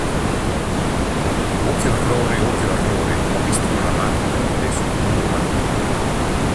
Oh, che orrore oh che orrore, ho visto un ramarro verde su un muro marrone.